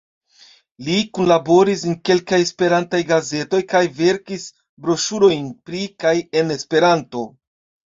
Li kunlaboris en kelkaj esperantaj gazetoj, kaj verkis broŝurojn pri kaj en Esperanto.